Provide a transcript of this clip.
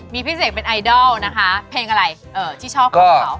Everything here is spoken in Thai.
มีพี่เสกเป็นไอดอลนะคะเพลงอะไรที่ชอบของเขา